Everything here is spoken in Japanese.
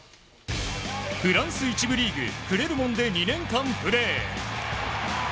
フランス１部リーグクレルモンで２年間プレー。